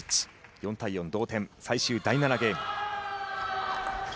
４対４、同点、最終第７ゲーム。